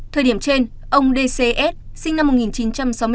thời điểm trên ông dcs sinh năm một nghìn chín trăm sáu mươi tám